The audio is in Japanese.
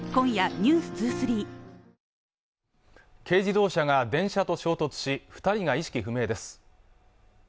軽自動車が電車と衝突し２人が意識不明です